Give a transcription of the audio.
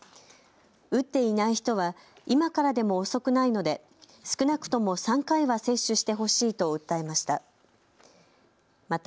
打っていない人は今からでも遅くないので少なくとも３回は接種してほしいと訴えました。